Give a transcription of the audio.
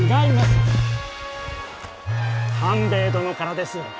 官兵衛殿からです。